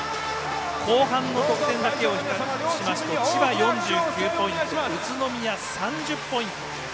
後半の得点だけを比較しますと千葉４９ポイント宇都宮３０ポイント。